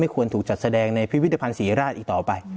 ควรถูกจัดแสดงในพิพิธภัณฑ์ศรีราชอีกต่อไป